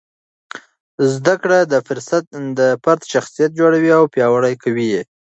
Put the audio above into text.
زده کړه د فرد شخصیت جوړوي او پیاوړی کوي.